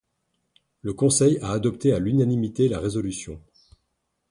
Le Conseil a adopté à l'unanimité la résolution.